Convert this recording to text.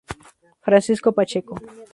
Francisco Pacheco.